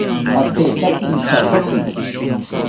Atetaka intyatoki